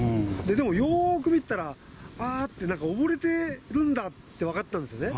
でもよーく見てたら、ああって、なんか、溺れてるんだって分かったんですね。